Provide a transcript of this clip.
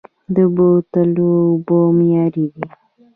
د بوتلو اوبه معیاري دي؟